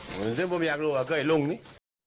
เหมือนซึ่งผมอยากรู้กับกับไอ้ลุงนี่